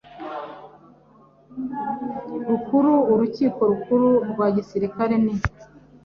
Rukuru Urukiko Rukuru rwa Gisirikare n